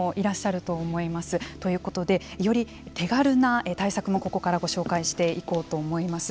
ということでより手軽な対策もここからご紹介していこうと思います。